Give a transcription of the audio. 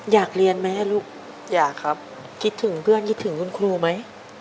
อยากเรียนไหมลูกอยากครับคิดถึงเพื่อนคิดถึงคุณครูไหม